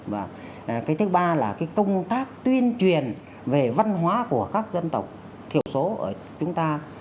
và cái thứ ba là cái công tác tuyên truyền về văn hóa của các dân tộc thiểu số ở chúng ta